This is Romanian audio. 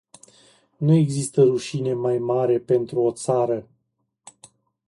Nu există rușine mai mare pentru o țară.